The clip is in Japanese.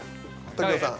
時生さん。